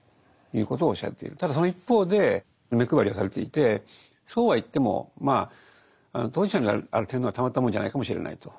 ただその一方で目配りはされていてそうはいってもまあ当事者である天皇はたまったものじゃないかもしれないと。